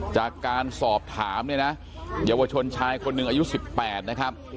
จากการสอบถามเนี่ยนะเยาวชนชายคนหนึ่งอายุ๑๘นะครับ